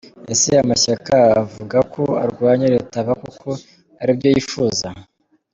Ese amashyaka avuga ko arwanya leta aba koko aribyo yifuza?